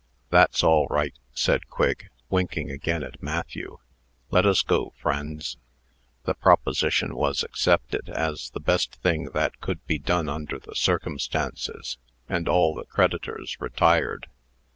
"That's all right," said Quigg, winking again at Matthew. "Let us go, friends." The proposition was accepted, as the best thing that could be done under the circumstances, and all the creditors retired.